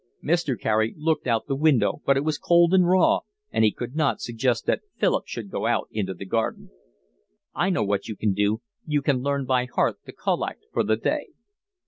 Mr. Carey looked out of the window, but it was cold and raw, and he could not suggest that Philip should go into the garden. "I know what you can do. You can learn by heart the collect for the day."